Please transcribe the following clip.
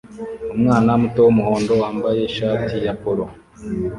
Umwana muto wumuhondo wambaye ishati ya polo